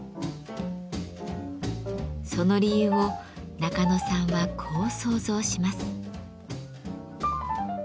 その理由を中野さんはこう想像します。